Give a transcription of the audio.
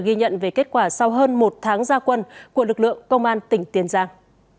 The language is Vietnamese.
ghi nhận về kết quả sau hơn một tháng gia quân của lực lượng công an tỉnh tiền giang